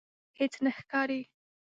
هیڅ نه ښکاري